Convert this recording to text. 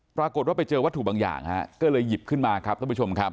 ปรากฏว่าไปเจอวัตถุบางอย่างฮะก็เลยหยิบขึ้นมาครับท่านผู้ชมครับ